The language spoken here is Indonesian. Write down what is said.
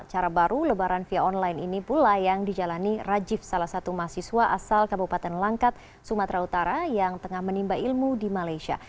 cara baru lebaran via online ini pula yang dijalani rajiv salah satu mahasiswa asal kabupaten langkat sumatera utara yang tengah menimba ilmu di malaysia